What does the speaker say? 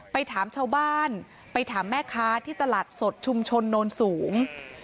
ไปถามชาวบ้านไปถามแม่ค้าที่ตลาดสดชุมชนโนนสูง